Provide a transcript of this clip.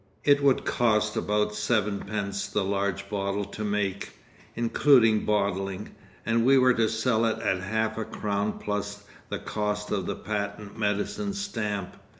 It would cost about sevenpence the large bottle to make, including bottling, and we were to sell it at half a crown plus the cost of the patent medicine stamp.